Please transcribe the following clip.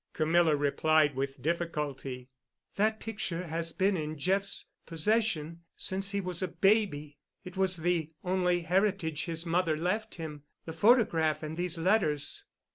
Camilla replied with difficulty. "That picture has been in Jeff's possession since he was a baby. It was the only heritage his mother left him, the photograph and these letters.